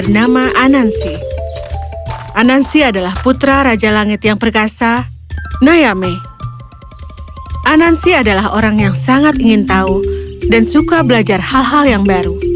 dia adalah orang yang sangat ingin tahu dan suka belajar hal hal yang baru